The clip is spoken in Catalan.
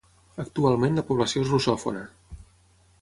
Actualment la població és russòfona.